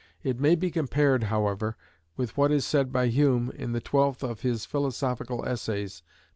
It may be compared, however, with what is said by Hume in the twelfth of his "Philosophical Essays," p.